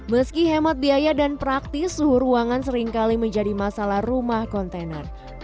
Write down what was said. meski hemat biaya dan praktis suhu ruangan seringkali menjadi masalah rumah kontainer